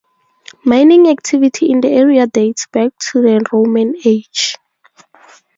Mining activity in the area dates back to the Roman age.